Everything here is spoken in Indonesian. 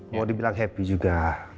mau dibilang happy juga